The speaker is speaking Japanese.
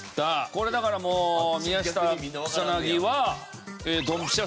これだからもう宮下草薙はドンピシャ